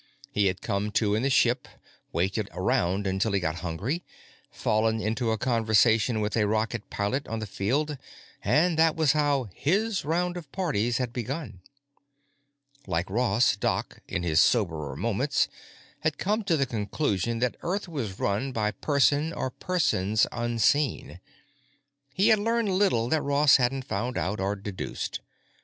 He had come to in the ship, waited around until he got hungry, fallen into a conversation with a rocket pilot on the field—and that was how his round of parties had begun. Like Ross, Doc, in his soberer moments, had come to the conclusion that Earth was run by person or persons unseen. He had learned little that Ross hadn't found out or deduced.